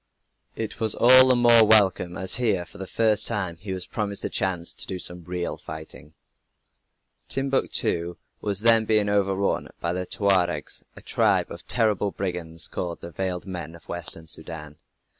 It was all the more welcome as here, for the first time, he was promised a chance to do some real fighting. Timbuctoo was then being overrun by the Tuaregs, a tribe of terrible brigands called "the veiled men" of Western Soudan.